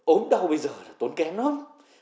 ốm đau bây giờ là tốn kém lắm